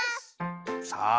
さあ。